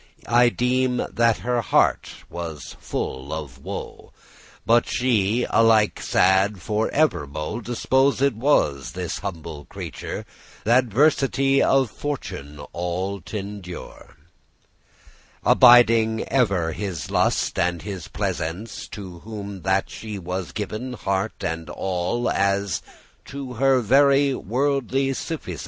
I deeme that her heart was full of woe; But she, alike sad* for evermo', *steadfast Disposed was, this humble creature, Th' adversity of fortune all t' endure; Abiding ever his lust and his pleasance, To whom that she was given, heart and all, As *to her very worldly suffisance.